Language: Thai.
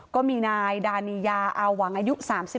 ก็มีนายดานียาอาหวังอายุ๓๒